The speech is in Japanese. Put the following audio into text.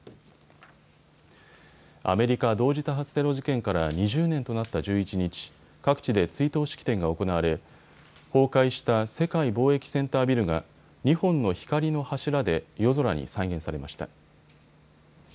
アメリカ同時多発テロ事件から２０年となった１１日、各地で追悼式典が行われ崩壊した世界貿易センタービルが２本の光の柱で夜空に再現されました。